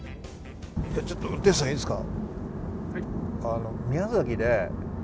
ちょっと運転手さん、いいですか？